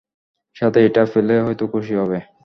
সাথে এটা পেলে হয়তো খুশি হবে।